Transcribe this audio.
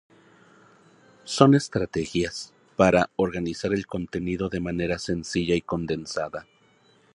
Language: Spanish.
Son estrategias para organizar el contenido de manera sencilla y condensada.